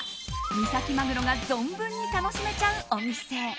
三崎マグロが存分に楽しめちゃうお店。